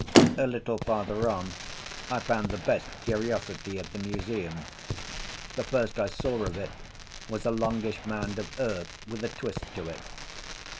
A little farther on I found the best curiosity of the museum. The first I saw of it was a longish mound of earth with a twist to it.